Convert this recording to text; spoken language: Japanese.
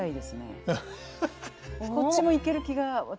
こっちもイケる気が私